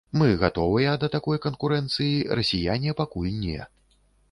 Мы гатовыя да такой канкурэнцыі, расіяне пакуль не.